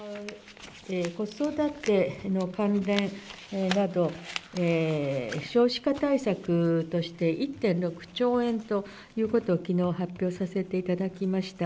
子育ての関連など、少子化対策として、１．６兆円ということをきのう発表させていただきました。